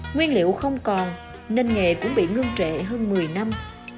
nguyên liệu không còn nên nghề cũng bị ngưng trệ hơn một mươi năm